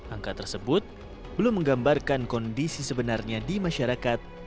angka tersebut belum menggambarkan kondisi sebenarnya di masyarakat